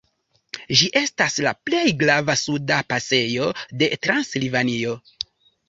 Ĝi estas la plej grava suda pasejo de Transilvanio.